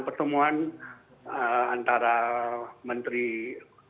pertemuan antara menteri koordinator pertama